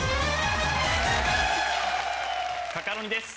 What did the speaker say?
カカロニです